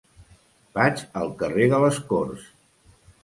Vaig al carrer de les Corts.